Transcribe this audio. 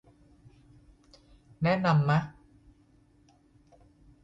แนะนำมะ